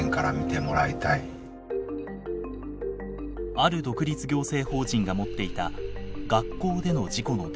ある独立行政法人が持っていた学校での事故のデータ。